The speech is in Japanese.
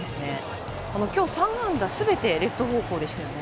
きょう３安打全てレフト方向でしたね。